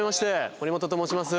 森本と申します。